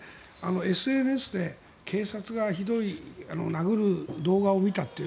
ＳＮＳで警察がひどい殴る動画を見たという。